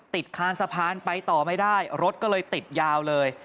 คานสะพานไปต่อไม่ได้รถก็เลยติดยาวเลย